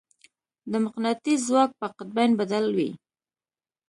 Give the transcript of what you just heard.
د مقناطیس ځواک په قطبین بدل وي.